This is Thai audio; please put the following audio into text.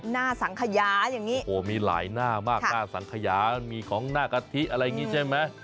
สังขยาอย่างนี้โอ้โหมีหลายหน้ามากหน้าสังขยามีของหน้ากะทิอะไรอย่างนี้ใช่ไหม